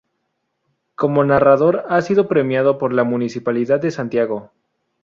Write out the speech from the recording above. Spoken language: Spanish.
Como narrador ha sido premiado por la Municipalidad de Santiago.